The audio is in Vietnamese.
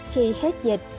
khi hết dịch